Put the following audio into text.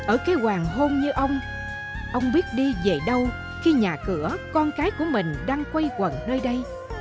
ở cái hoàng hôn như ông ông biết đi về đâu khi nhà cửa con cái của mình đang quay quần nơi đây